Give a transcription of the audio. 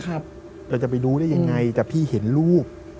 เราก็จะไปดูได้ยังไงแต่ผมพี่เห็นลูก